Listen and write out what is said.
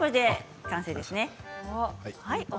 完成ですね。